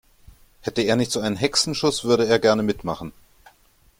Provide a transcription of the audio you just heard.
Hätte er nicht so einen Hexenschuss, würde er gerne mitmachen.